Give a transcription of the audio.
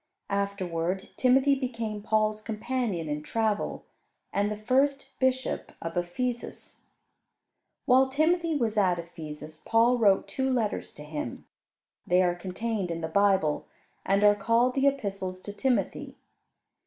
Afterward Timothy became Paul's companion in travel, and the first bishop of Ephesus. While Timothy was at Ephesus, Paul wrote two letters to him. They are contained in the Bible, and are called the Epistles to Timothy.